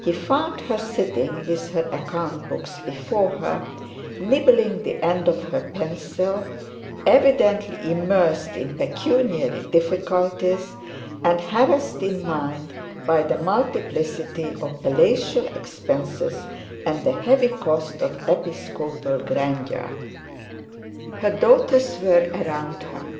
He found her sitting with her account books before her nibbling the end of her pencil evidently mersed in pecuniary difficulties, and harassed in mind by the multiplicity of palatial expenses, and the heavy cost of episcopal grandeur. Her daughters were around her.